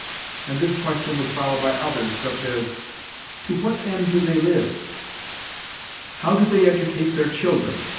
And this question was followed by others, such as, "To what end do they live?" "How do they educate their children?"